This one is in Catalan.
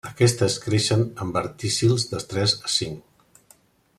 Aquestes creixen en verticils de tres a cinc.